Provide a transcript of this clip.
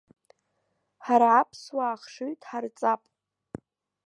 Ҳара аԥсуаа ахшыҩ дҳарҵап.